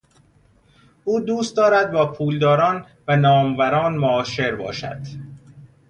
او دوست دارد با پولداران و ناموران معاشر باشد.